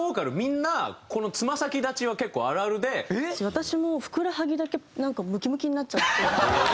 私もふくらはぎだけなんかムキムキになっちゃって。